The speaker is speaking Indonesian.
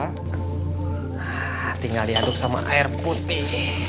nah tinggal diaduk sama air putih